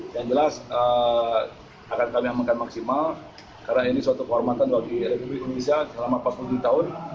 yang jelas akan kami amankan maksimal karena ini suatu kehormatan bagi republik indonesia selama empat puluh tujuh tahun